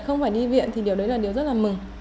không phải đi viện thì điều đấy là điều rất là mừng